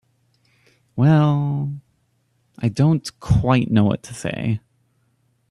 Well—I don't quite know what to say.